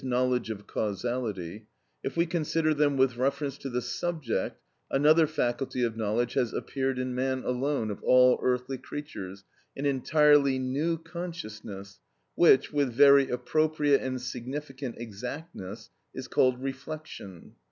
_, knowledge of causality), if we consider them with reference to the subject, another faculty of knowledge has appeared in man alone of all earthly creatures, an entirely new consciousness, which, with very appropriate and significant exactness, is called reflection.